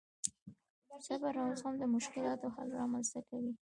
صبر او زغم د مشکلاتو حل رامنځته کوي.